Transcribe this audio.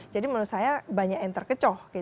jadi menurut saya banyak yang terjadi